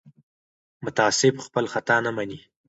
متعصب خپل خطا نه مني